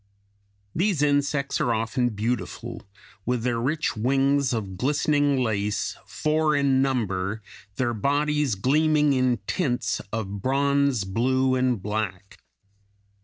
These insects are often beautiful, with their rich wings of glistening lace, four in number, their bodies gleaming in tints of bronze, blue, and black.